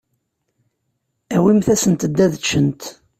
Awimt-asent-d ad ččent.